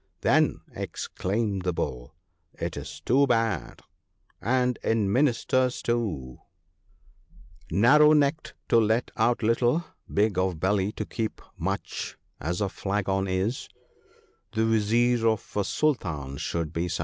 ' Then,' exclaimed the Bull, 'it is too bad: and in Ministers too !—" Narrow necked to let out little, big of belly to keep much As a flagon is — the Vizier of a Sultan should be such."